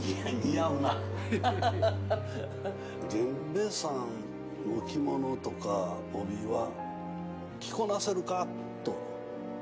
「源兵衛さんの着物とか帯は着こなせるか」と。